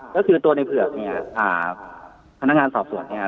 ก็คือตัวในเผือกเนี่ยอ่าพนักงานสอบสวนเนี่ย